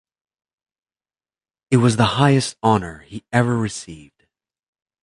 It was the highest honor he ever received.